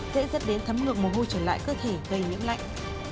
dễ dứt đến thấm ngược mồ hôi trở lại cơ thể gây nhiễm lạnh